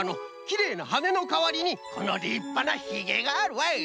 きれいなはねのかわりにこのりっぱなヒゲがあるわい。